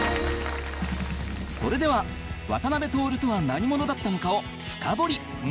それでは渡辺徹とは何者だったのかを深掘り